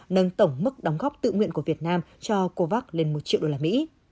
nâng tổng mức đóng góp tự nguyện của việt nam cho covax lên một triệu usd